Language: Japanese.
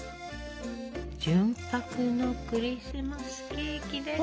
純白のクリスマスケーキです。